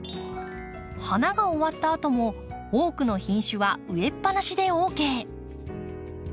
花が終わったあとも多くの品種は植えっぱなしでＯＫ。